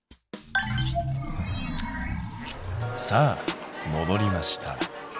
さあもどりました。